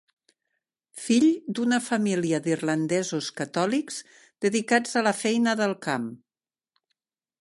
Fill d'una família d'irlandesos catòlics dedicats a la feina del camp.